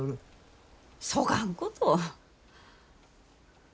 そがんこと。